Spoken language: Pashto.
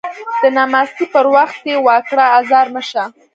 د نماستي په وخت يې وا کړه ازار مه شه